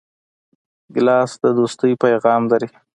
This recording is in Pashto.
ګیلاس د دوستۍ پیغام لري.